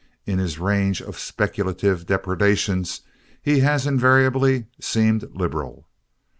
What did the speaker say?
In his range of speculative depredations he has invariably seemed liberal.